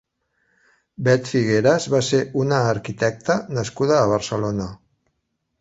Bet Figueras va ser una arquitecta nascuda a Barcelona.